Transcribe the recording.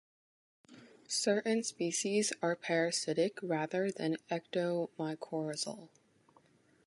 Certain species are parasitic rather than ectomycorrhizal.